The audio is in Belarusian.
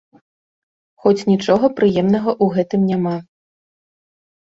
Хоць і нічога прыемнага ў гэтым няма.